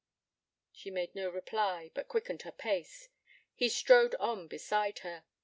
She made no reply, but quickened her pace. He strode on beside her.